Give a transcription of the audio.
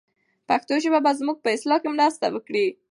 پښتو ژبه به زموږ په اصلاح کې مرسته وکړي.